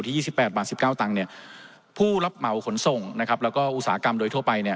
ที่๒๘บาท๑๙ตังค์ผู้รับเหมาขนส่งแล้วก็อุตสาหกรรมโดยทั่วไป